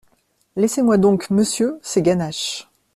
Laissez-moi donc, Monsieur, ces ganaches.